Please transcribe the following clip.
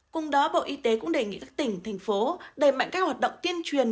cùng đó bộ y tế cũng đề nghị các tỉnh thành phố đề mạnh các hoạt động tiên truyền